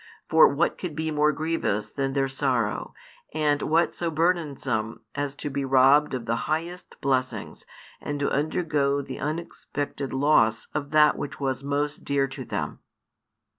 For what could be more grievous than their sorrow, and what so burdensome as to be robbed of the highest blessings and to undergo the unexpected loss of that which was most dear to them?